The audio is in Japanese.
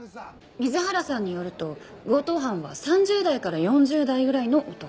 水原さんによると強盗犯は３０代から４０代ぐらいの男。